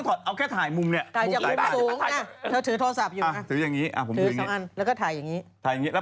อันไหนเราต้องถ่ายในมุมไหนที่อันนั้นจะเห็นน่ะ